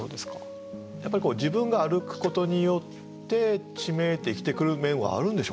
やっぱり自分が歩くことによって地名って生きてくる面はあるんでしょうね。